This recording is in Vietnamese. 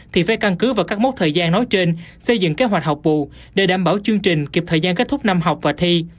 thì phải căn cứ vào các mốc thời gian nói trên xây dựng kế hoạch học bù để đảm bảo chương trình kịp thời gian kết thúc năm học và thi